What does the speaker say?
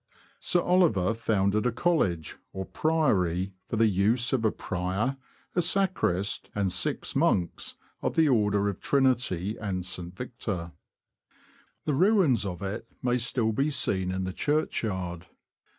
Sir Oliver founded a College, or Priory, for the use of a prior, a sacrist, and six monks of the order of Trinity and St. Victor ; the ruins of it may UP THE ANT, TO BARTON AND STALHAM. 163 still be seen in the churchyard.